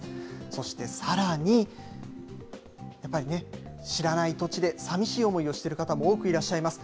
そしてさらに、やっぱりね、知らない土地で、さみしい思いをしてる方も多くいらっしゃいます。